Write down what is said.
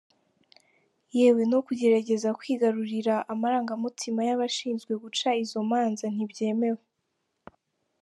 Yewe no kugerageza kwigarurira amarangamutima y’abashinzwe guca izo manza ntibyemewe.